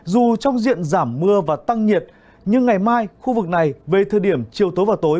dù trong diện giảm mưa và tăng nhiệt nhưng ngày mai khu vực này về thời điểm chiều tối và tối